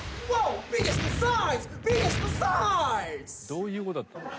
どういうことだったの？